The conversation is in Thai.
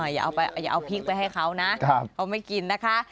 อย่าเอาพริกไปให้เขานะเขาไม่กินนะคะ